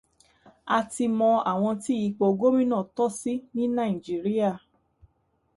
A ti mọ àwọn tí ipò gómìnà tọ́ sí ní Nàìjíríà.